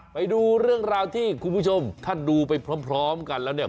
ไปดูเรื่องราวที่คุณผู้ชมถ้าดูไปพร้อมกันแล้วเนี่ย